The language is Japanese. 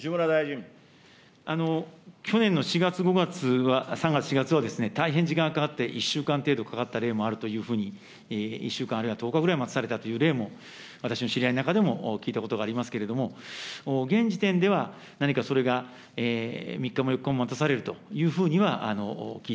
去年の４月、５月は、３月、４月は大変時間がかかって、１週間程度かかった例もあるというふうに、１週間、あるいは１０日ぐらい待たされたという例も、私の知り合いの中でも聞いたことがありますけれども、現時点では何かそれが３日も４日も待たされるというふうには聞い